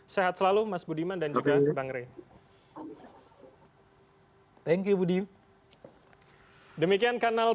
sehat selalu mas budiman dan juga bang rey